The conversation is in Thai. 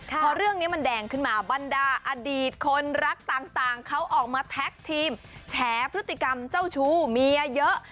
พอเรื่องนี้มันแดงขึ้นมาบรรดาอดีตคนรักต่างเขาออกมาแท็กทีมแฉพฤติกรรมเจ้าชู้เมียเยอะ